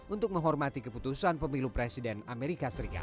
untuk menghormati keputusan pemilu presiden amerika serikat